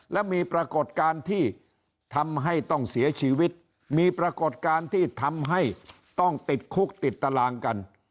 และมีปรากฏการณ์ที่ทำให้ต้องเสียชีวิตมีปรากฏการณ์ที่ทำให้ต้องติดคุกติดตารางกัน